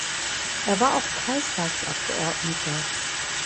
Er war auch Kreistagsabgeordneter.